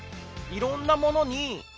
いろんなものに。